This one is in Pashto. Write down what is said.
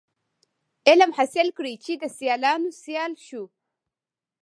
علم حاصل کړی چي د سیالانو سیال سو.